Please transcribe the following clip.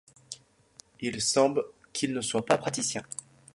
Il semble qu'ils ne soient pas patriciens.